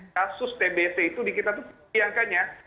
kasus tbc itu di kita itu tinggi angkanya